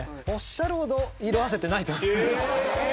おっしゃるほど色あせてないと。